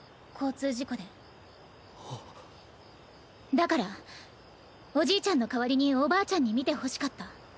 だからおじいちゃんの代わりにおばあちゃんに見てほしかった。